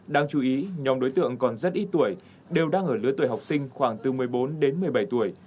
đáng chú ý nhóm đối tượng còn rất ít tuổi đều đang ở lứa tuổi học sinh khoảng từ một mươi bốn đến một mươi bảy tuổi